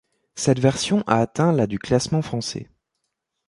Cette version a atteint la du classement français.